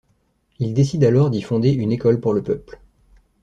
Il décide alors d'y fonder une école pour le peuple.